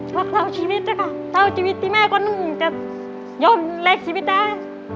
รักเขาเอาชีวิตก็ค่ะเขาเอาชีวิตที่แม่ก็นึงจะยนต์เล็กชีวิตได้